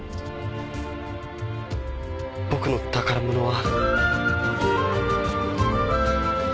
僕の宝物は。